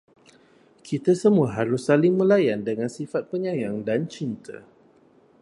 Kita semua harus saling melayan dengan sifat penyayang dan cinta